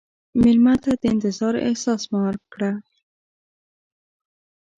مېلمه ته د انتظار احساس مه ورکړه.